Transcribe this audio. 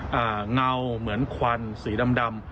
เหงาเหมือนควันสีดำ